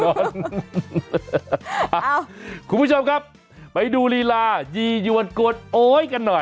คุณผู้ชมครับไปดูลีลายียวนกวนโอ๊ยกันหน่อย